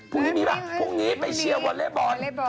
พรุ่งนี้มีป่ะพรุ่งนี้ไปเชียร์วอเล่บอล